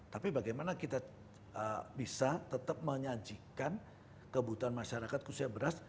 tapi bagaimana kita bisa tetap menyajikan kebutuhan masyarakat khususnya beras